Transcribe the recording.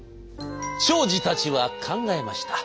長司たちは考えました。